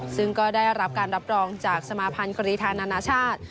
ซึ่งก็ได้รับการรับรองจากสมาภัณฑ์กรีธานานาชาติ